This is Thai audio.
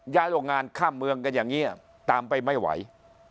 โรงงานข้ามเมืองกันอย่างนี้ตามไปไม่ไหว